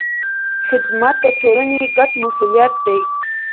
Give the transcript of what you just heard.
خدمت د ټولنې ګډ مسوولیت دی.